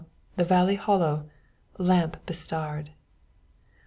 the valley hollow, Lamp bestarr'd.